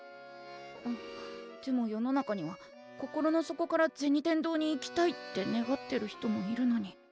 んでも世の中には心の底から銭天堂に行きたいって願ってる人もいるのに。